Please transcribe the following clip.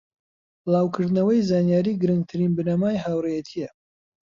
بڵاوکردنەوەی زانیاری گرنگترین بنەمای هاوڕێیەتیە